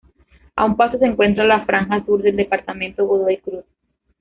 A un paso se encuentra la franja sur del Departamento Godoy Cruz.